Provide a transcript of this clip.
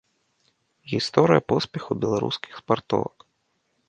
Гісторыя поспеху беларускіх спартовак.